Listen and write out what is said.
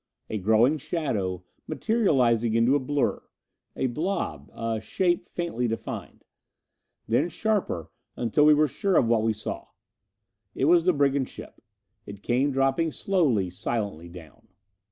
A growing shadow, materializing into a blur a blob, a shape faintly defined. Then sharper until we were sure of what we saw. It was the brigand ship. It came dropping slowly, silently down.